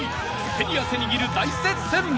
手に汗握る大接戦］